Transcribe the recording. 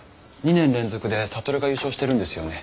２年連続で智が優勝してるんですよね？